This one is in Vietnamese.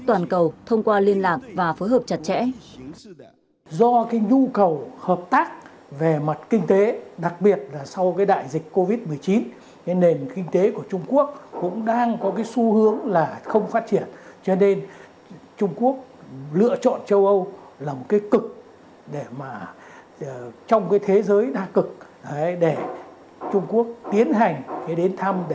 toàn cầu thông qua liên lạc và phối hợp chặt chẽ